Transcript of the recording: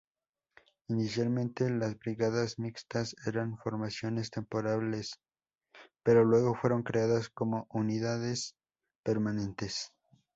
Inicialmente las brigadas mixtas eran formaciones temporales, pero luego fueron creadas como unidades permanentes.